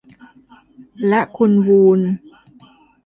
และคุณวูน